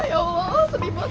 ya allah seneng banget